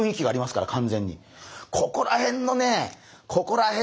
ここら辺のね